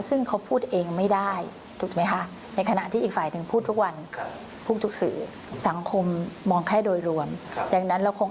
ซึ่งเขาพูดเองไม่ได้ในขณะที่อีกฝ่ายนึงพูดทุกวัน